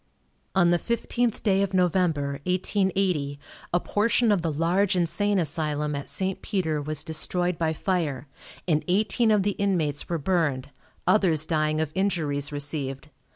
On the 15th day of November, 1880, a portion of the large insane asylum at St. Peter was destroyed by fire, and eighteen of the inmates were burned, others dying of injuries received.